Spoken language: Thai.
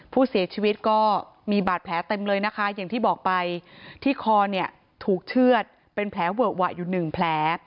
ผู้เสียชีวิตก็มีบาดแผลเต็มเลยนะคะอย่างที่บอกไปที่คอเนี่ยถูกเชื่อดเป็นแผลเวอะหวะอยู่หนึ่งแผล